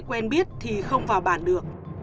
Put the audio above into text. quen biết thì không vào bản được